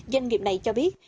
doanh nghiệp này cho biết